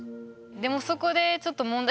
でもそこでちょっと問題があって。